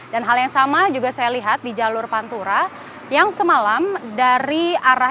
hal yang sama juga saya lihat di jalur pantura yang semalam dari arah